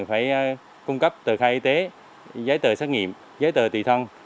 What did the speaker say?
phải cung cấp tờ khai y tế giấy tờ xét nghiệm giấy tờ tùy thân